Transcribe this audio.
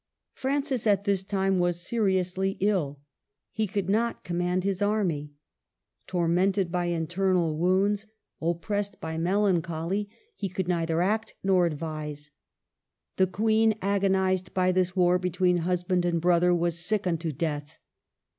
Francis, at this time, was seriously ill. He could not command his army. Tormented by internal wounds, oppressed by melancholy, he THE LEAGUE WITH SOLIMAN. 197 could neither act nor advise. The Queen, ago nized by this war between husband and brother, was sick unto death.